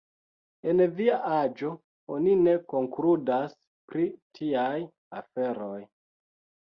En via aĝo oni ne konkludas pri tiaj aferoj.